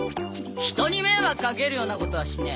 人に迷惑かけるようなことはしねえ。